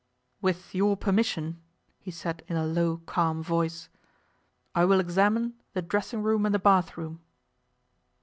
'With your permission,' he said in a low calm voice, 'I will examine the dressing room and the bath room.